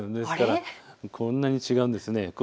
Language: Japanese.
こんなに違うんですね。